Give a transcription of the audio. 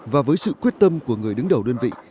và với sự quyết tâm của người đứng đầu đơn vị